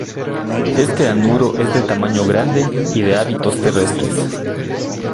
Este anuro es de tamaño grande y de hábitos terrestres.